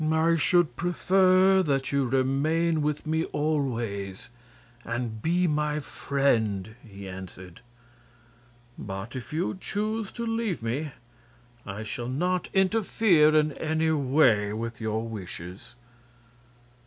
"I should prefer that you remain with me always, and be my friend," he answered. "But if you choose to leave me I shall not interfere in any way with your wishes."